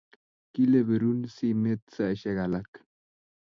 Kile pirun simet saishek alak